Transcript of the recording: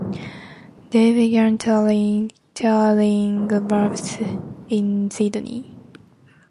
They began touring pubs in Sydney.